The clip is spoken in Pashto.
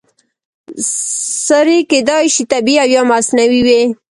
سرې کیدای شي طبیعي او یا مصنوعي وي.